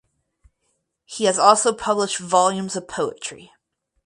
He has also published volumes of poetry.